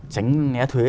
tránh né thuế